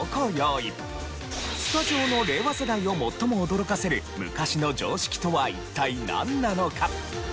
スタジオの令和世代を最も驚かせる昔の常識とは一体なんなのか？